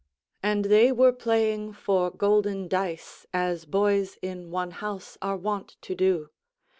And they were playing for golden dice, as boys in one house are wont to do.